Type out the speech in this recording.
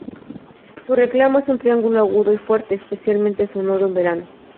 Su reclamo es un trino agudo y fuerte, especialmente sonoro en verano.